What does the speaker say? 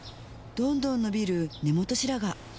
どんどん伸びる根元白髪